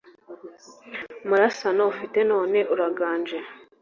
umurasano ufite none uraganje.